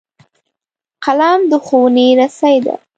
قلم د ښوونې رسۍ ده